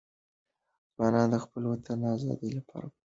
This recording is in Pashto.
ځوانان د خپل وطن د ازادۍ لپاره قرباني ورکوي.